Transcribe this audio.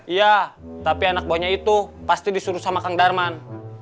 iya tapi anak buahnya itu pasti disuruh sama kang darman